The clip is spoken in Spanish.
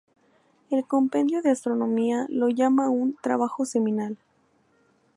El Compendio de Astronomía lo llama un "trabajo seminal".